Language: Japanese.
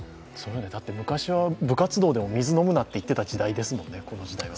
昔は部活動でも水を飲むなといっていた時代ですもんね、この時代は。